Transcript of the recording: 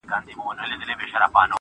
یادونه دي پر سترګو مېلمانه سي رخصتیږي-